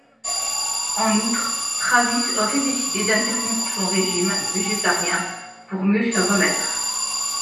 En outre, Travis aurait décidé d'interrompre son régime végétarien pour mieux se remettre.